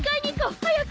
早く！